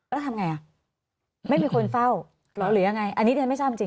แล้วทำไงอ่ะไม่มีคนเฝ้าเหรอหรือยังไงอันนี้ดิฉันไม่ทราบจริง